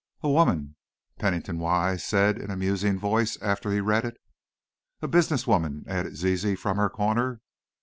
"A woman," Pennington Wise said in a musing voice, after he read it. "A business woman," added Zizi from her corner.